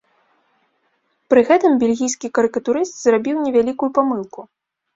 Пры гэтым бельгійскі карыкатурыст зрабіў невялікую памылку.